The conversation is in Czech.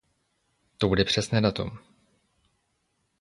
To bude přesné datum.